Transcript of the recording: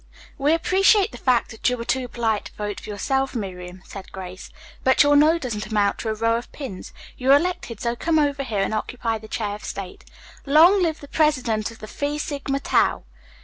"We appreciate the fact that you are too polite to vote for yourself, Miriam," said Grace, "but your 'no' doesn't amount to a row of pins. You're elected, so come over here and occupy the chair of state. Long live the president of the Phi Sigma Tau."